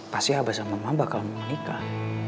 pasti abah sama mama bakal menikah